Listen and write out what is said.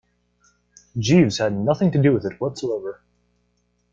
Jeeves had nothing to do with it whatsoever.